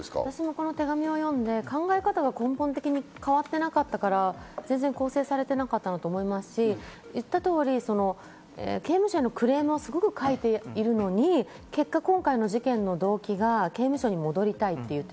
手紙を読んで考え方が根本的に変わってなかったから全然更生されてなかったと思いますし、言った通り刑務所へのクレームをすごく書いているのに、結果、今回の事件の動機が刑務所に戻りたい。